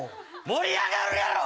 盛り上がるやろ！